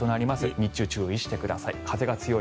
日中、注意してください。